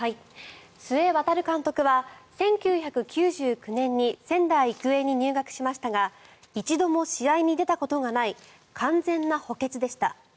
須江航監督は１９９９年に仙台育英に入学しましたが１度も試合に出たことがない完全な補欠でした。